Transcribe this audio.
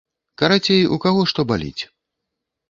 Карацей, у каго што баліць.